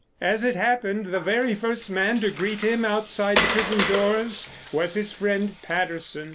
As it happened the very first man to greet him outside the prison doors was his friend, Patterson.